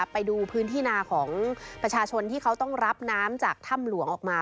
ไปดูพื้นที่นาของประชาชนที่เขาต้องรับน้ำจากถ้ำหลวงออกมา